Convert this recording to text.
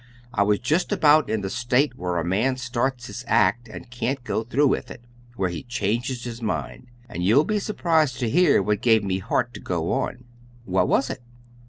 I was just about in the state where a man starts his act and can't go through with it, where he changes his mind. And you'll be surprised to hear what gave me heart to go on." "What was it?"